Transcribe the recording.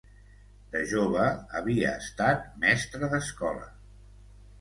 De jove havia estat mestra d'escola.